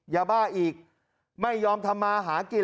ยาบ้าอีกไม่ยอมทำมาหากิน